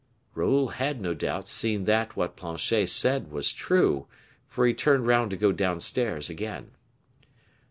Raoul had, no doubt, seen that what Planchet said was true, for he turned round to go downstairs again.